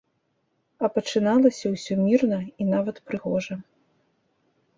А пачыналася ўсё мірна і нават прыгожа.